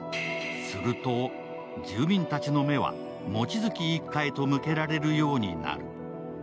すると、住民たちの目は望月一家へと向けられるようになる。